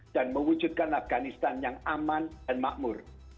dan mewujudkan afganistan yang aman dan makmur